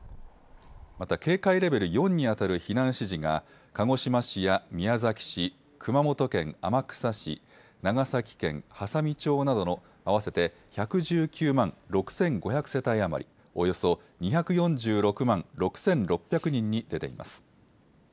また警戒レベル４にあたる避難指示が鹿児島市や宮崎市、熊本県天草市、長崎県波佐見町などの合わせて１１９万６５００世帯余りおよそ２４６万６６００人に出ています。